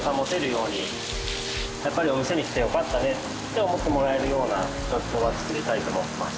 やっぱりお店に来てよかったねって思ってもらえるような状況は作りたいと思ってます。